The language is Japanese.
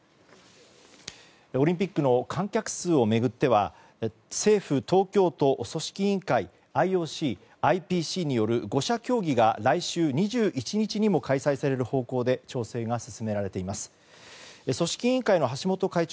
オリンピックの観客数を巡っては政府、東京都ＩＯＣ、ＩＰＣによる５者協議が来週２１日にも開催される方向で調整が進められています。